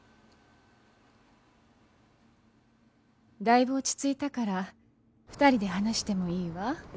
だいぶ落ち着いたから２人で話してもいいわ。